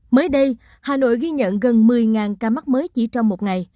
mới đây hà nội ghi nhận gần một mươi ca mắc mới chỉ trong một ngày